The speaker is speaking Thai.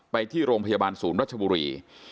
ไปที่โรงพยาบาลศูนย์รัชบุรี